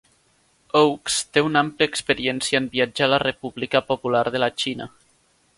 Oakes té una àmplia experiència en viatjar a la República Popular de la Xina.